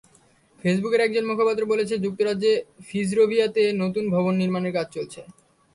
ফেসবুকের একজন মুখপাত্র বলেছেন, যুক্তরাজ্যে ফিজরোভিয়াতে নতুন ভবন নির্মাণের কাজ চলছে।